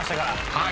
はい。